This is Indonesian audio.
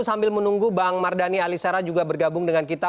sambil menunggu bang mardhani alisera juga bergabung dengan kita